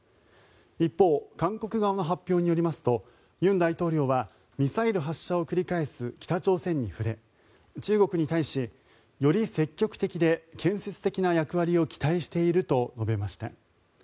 一方、韓国側の発表によりますと尹大統領はミサイル発射を繰り返す北朝鮮に触れ中国に対しより積極的で建設的な役割を期待していると述べました。